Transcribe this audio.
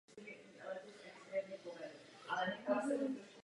Distributorem snímku byla společnost Paramount Pictures.